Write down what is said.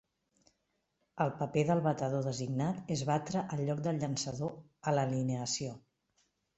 El paper del batedor designat és batre al lloc del llançador a l'alineació.